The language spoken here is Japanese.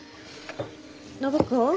暢子。